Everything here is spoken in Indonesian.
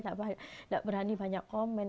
tidak berani banyak komen